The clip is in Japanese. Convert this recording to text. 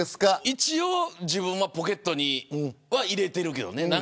一応、自分はポケットに入れてるけどね。